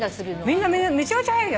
みんなめちゃめちゃ速い。